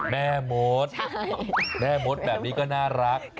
แม่มดแม่มดแบบนี้ก็น่ารัก